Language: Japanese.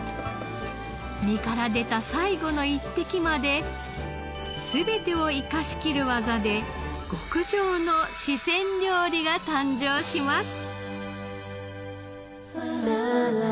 身から出た最後の一滴まで全てを生かしきる技で極上の四川料理が誕生します。